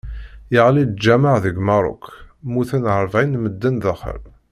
Yeɣli lǧameɛ deg Merruk, mmuten rebɛin n medden sdaxel.